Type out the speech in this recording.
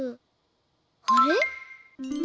あれ？